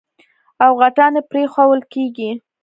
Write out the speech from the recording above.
او غټان يې پرېښوول کېږي.